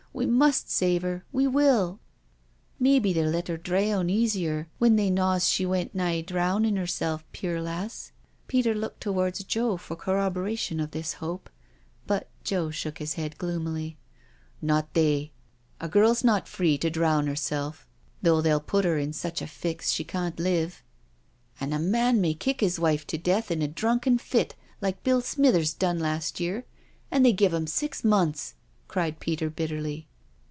We must save 'er— we will." " Maybe they'll let 'er deaun easier when they knaws she went nigh drownin' 'erself, puir lass?" Peter, looked towards Joe for corroboration of this hope. But Joe shook his head gloomily. A CRUSHED BUTTERFLY 251 " Not they— a girl's not free to drown 'erself, though they'll put 'er in such a fix she can't live 'An' a man may kick his wife to death in a drunken fit, like Bill Smithers done last year, an' they giv' 'im six munsl" cried Peter bitterly.